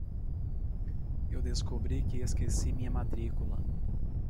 Eu descobri que esqueci minha matrícula.